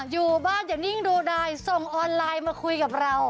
อยู่บ้านอย่านิ่งดูได้ส่งออนไลน์มาคุยกับเรา